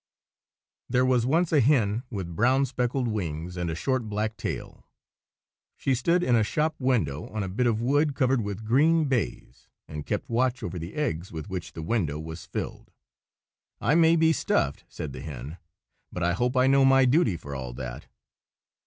THERE was once a hen with brown speckled wings and a short black tail. She stood in a shop window, on a bit of wood covered with green baize, and kept watch over the eggs with which the window was filled. "I may be stuffed," said the hen, "but I hope I know my duty for all that!"